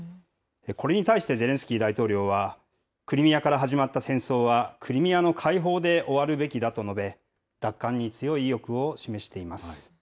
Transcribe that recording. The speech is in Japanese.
これに対して、ゼレンスキー大統領は、クリミアから始まった戦争はクリミアの解放で終わるべきだと述べ、奪還に強い意欲を示しています。